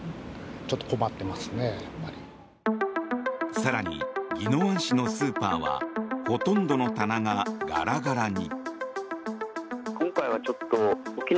更に、宜野湾市のスーパーはほとんどの棚がガラガラに。